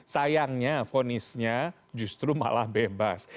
sayangnya vonisnya justru malah bebas